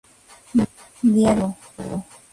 Diario de Vigo".